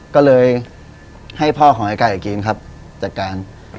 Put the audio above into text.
ก็เลยให้พ่อของไอ้ไก่กินครับจัดการ